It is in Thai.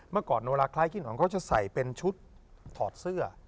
เมื่อก่อนเวลาคล้ายขี้ของเขาจะใส่เป็นชุดถอดเสื้อ